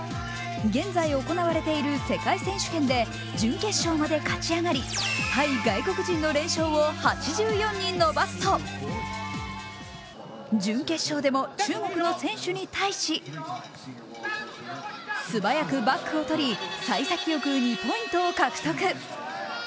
現在行われている世界選手権で準決勝まで勝ち上がり、対外国人の連勝を８４に伸ばすと準決勝でも中国の選手に対し素早くバックを取り、さい先よく２ポイントを獲得。